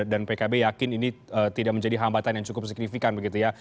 pkb yakin ini tidak menjadi hambatan yang cukup signifikan begitu ya